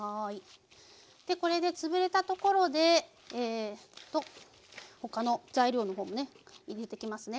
これでつぶれたところで他の材料のほうも入れていきますね。